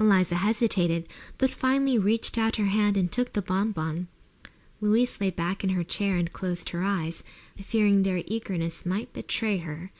Eliza hesitated, but finally reached out her hand and took the bon bon. Louise lay back in her chair and closed her eyes, fearing their eagerness might betray her.